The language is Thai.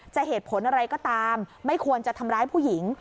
เหตุผลอะไรก็ตามไม่ควรจะทำร้ายผู้หญิง